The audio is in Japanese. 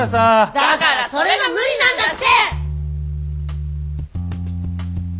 だからそれが無理なんだって！